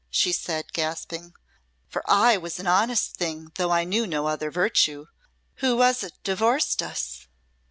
she said, gasping; "for I was an honest thing, though I knew no other virtue. Who was't divorced us?"